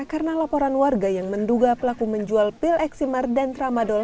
karena laporan warga yang menduga pelaku menjual pil eksimar dan tramadol